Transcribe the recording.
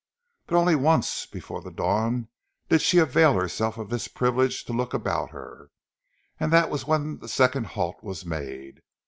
But only once before the dawn did she avail herself of this privilege to look about her, and that was when the second halt was made.